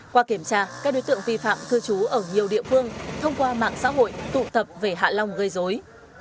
qua kiểm tra các đối tượng vi phạm cư trú ở nhiều địa phương thông qua mạng xã hội tụ tập về hạ long gây dối